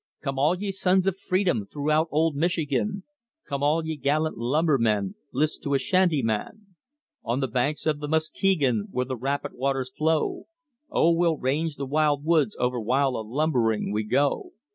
"Come all ye sons of freedom throughout old Michigan, Come all ye gallant lumbermen, list to a shanty man. On the banks of the Muskegon, where the rapid waters flow, OH! we'll range the wild woods o'er while a lumbering we go."